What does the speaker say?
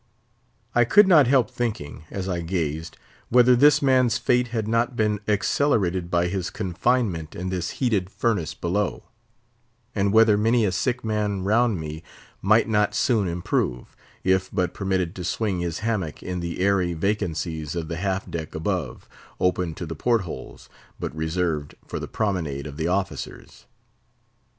I could not help thinking, as I gazed, whether this man's fate had not been accelerated by his confinement in this heated furnace below; and whether many a sick man round me might not soon improve, if but permitted to swing his hammock in the airy vacancies of the half deck above, open to the port holes, but reserved for the promenade of the officers.